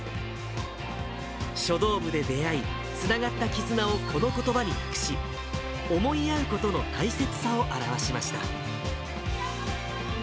書道部で出会い、つながった絆をこのことばに託し、思い合うことの大切さを表しました。